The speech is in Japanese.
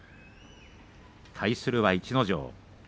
対するは逸ノ城。